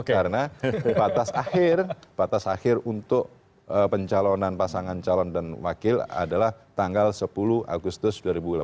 karena batas akhir batas akhir untuk pencalonan pasangan calon dan wakil adalah tanggal sepuluh agustus dua ribu delapan belas